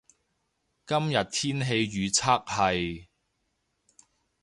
今日天氣預測係